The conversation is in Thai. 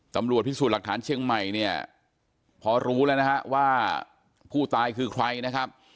ตำรวจพิสูจน์หลักฐานเชียงใหม่เนี่ยพอรู้แล้วนะฮะว่าผู้ตายคือใครนะครับ